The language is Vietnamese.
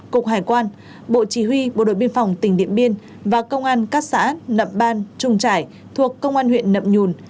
cục hải quan bộ chỉ huy bộ đội biên phòng tỉnh điện biên và công an các xã nậm ban trung trải thuộc công an huyện nậm nhùn